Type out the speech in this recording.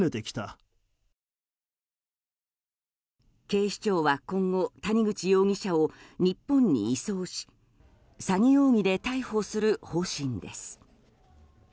警視庁は今後谷口容疑者を日本に移送し詐欺容疑で逮捕する方針です。